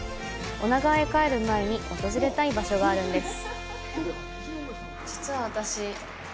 女川へ帰る前に訪れたい場所があるんです。